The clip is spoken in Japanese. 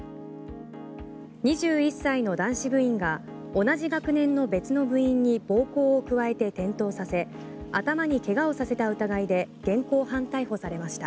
２１歳の男子部員が同じ学年の別の部員に暴行を加えて転倒させ頭に怪我をさせた疑いで現行犯逮捕されました。